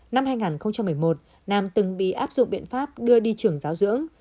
năm hai nghìn một mươi một nam từng bị áp dụng biện pháp đưa đi trường giáo dưỡng